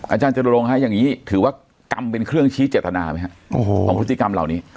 อาจารย์จตุรงค์อย่างนี้ถือว่ากรรมเป็นเครื่องชี้เจตนาไหมฮะของพฤติกรรมเหล่านี้